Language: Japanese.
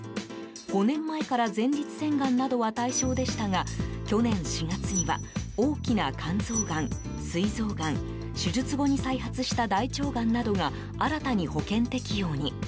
５年前から前立腺がんなどは対象でしたが去年４月には大きな肝臓がん、膵臓がん手術後に再発した大腸がんなどが新たに保険適用に。